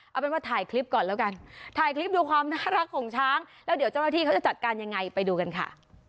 เอาเป็นว่าถ่ายคลิปก่อนแล้วกันถ่ายคลิปดูความน่ารักของช้างแล้วเดี๋ยวเจ้าหน้าที่เขาจะจัดการยังไงไปดูกันค่ะ